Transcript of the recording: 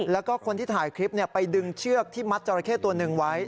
แล้วก็คนที่ถ่ายคลิปไปดึงเชือกที่มัดจราเข้ตัวหนึ่งไว้